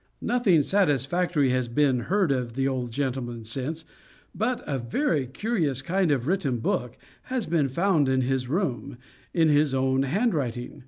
Nothing satisfactory has been heard of the old gentleman since; but a very curious kind of a written book has been found in his room, in his own handwriting.